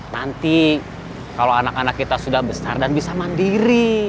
nanti kalau anak anak kita sudah besar dan bisa mandiri